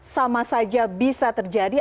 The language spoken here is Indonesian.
sama saja bisa terjadi